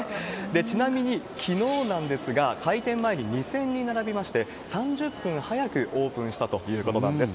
ちなみに、きのうなんですが、開店前に２０００人並びまして、３０分早くオープンしたということなんです。